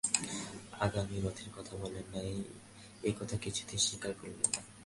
আগামী রথের কথা বলেন নাই, একথা কিছুতেই স্বীকার করিলেন না।